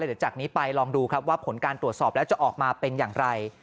เดี๋ยวจากนี้ไปลองดูครับว่าผลการตรวจสอบแล้วจะออกมาเป็นอย่างไร